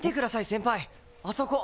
先輩あそこ！